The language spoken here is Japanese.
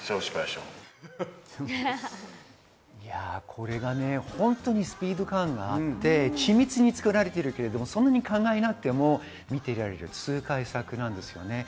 これがね、本当にスピード感があって緻密に作られているけれども、そんなに考えなくても見ていられる痛快作です。